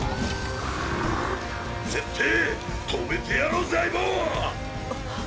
ぜってぇ止めてやろうぜ相棒！！っ！